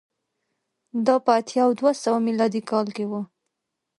دا په اتیا او دوه سوه میلادي کال کې و